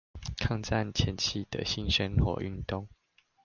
抗戰前夕的新生活運動